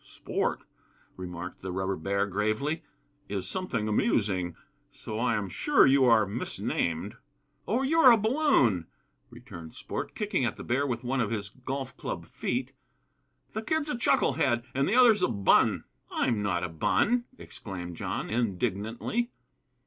"Sport," remarked the rubber bear, gravely, "is something amusing; so I am sure you are misnamed." "Oh! you're a balloon," returned Sport, kicking at the bear with one of his golf club feet; "the kid's a chucklehead and the other's a bun." "I'm not a bun!" exclaimed John, indignantly.